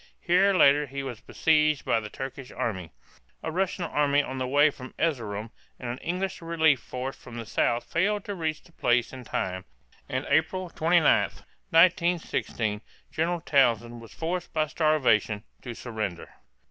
Here later he was besieged by a Turkish army. A Russian army on the way from Erzerum and an English relief force from the south failed to reach the place in time, and April 29, 1916, General Townshend was forced by starvation to surrender.